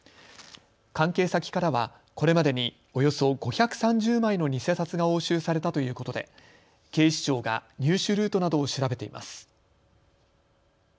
関係先からは、これまでにおよそ５３０枚の偽札が押収されたということで警視庁が入手ルートなどを調べています。